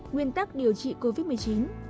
nguyên tắc điều trị covid một mươi chín